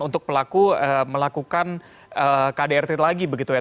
untuk pelaku melakukan kdrt lagi begitu ya